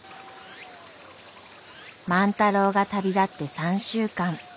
万太郎が旅立って３週間。